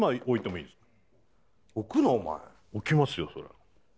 お前置きますよ